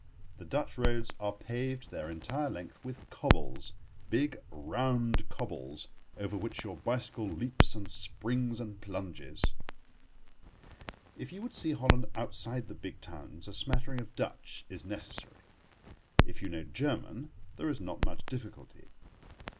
The Dutch roads are paved their entire length with cobbles—big, round cobbles, over which your bicycle leaps and springs and plunges. If you would see Holland outside the big towns a smattering of Dutch is necessary. If you know German there is not much difficulty.